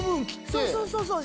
そうそうそうそう。